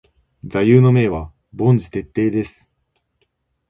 座右の銘は凡事徹底です。